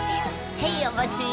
へいお待ち！